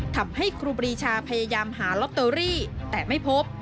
ทำให้ครูบรีชาพยายามหาร็อตเตอรี่แต่ไม่พบ